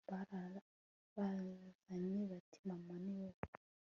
barabazanye bati mana niwowe